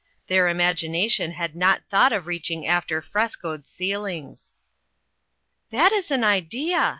Their imagination had not thought of reaching after frescoed ceilings. " That is an idea